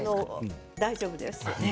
大丈夫です。